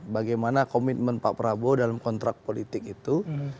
bagaimana komitmen pak prabowo dalam kontrak politik itu